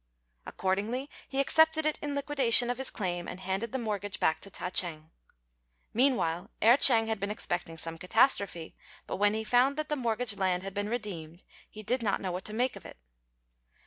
Accordingly he accepted it in liquidation of his claim, and handed the mortgage back to Ta ch'êng. Meanwhile, Erh ch'êng had been expecting some catastrophe; but when he found that the mortgaged land had been redeemed, he did not know what to make of it.